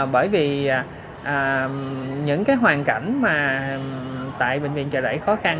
bởi vì những cái hoàn cảnh mà tại bệnh viện trợ đẩy khó khăn